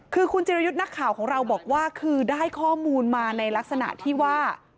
คือคุณจิรยุทธ์นักข่าวของเราบอกว่าคือได้ข้อมูลมาในลักษณะที่ว่า